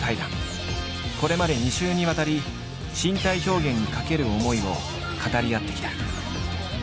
これまで２週にわたり身体表現にかける思いを語り合ってきた。